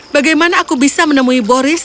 bagaimana aku bisa menemui boris